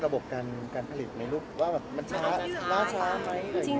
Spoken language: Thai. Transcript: ระบบการผลิตในรูปเรื่องว่ามันช้าล่าช้าเมาะอะไรวะ